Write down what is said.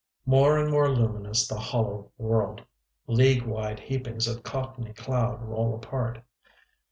More and more luminous the hollow world. League wide heapings of cottony cloud roll apart.